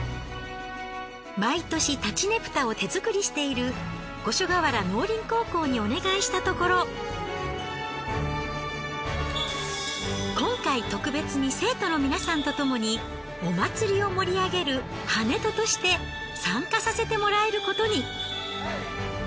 毎年立佞武多を手作りしている五所川原農林高校にお願いしたところ今回特別に生徒の皆さんとともにお祭りを盛り上げる跳人として参加させてもらえることに。